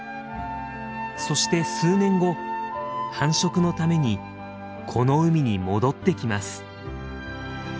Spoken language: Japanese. そして数年後繁殖のためにこの海に戻ってきます。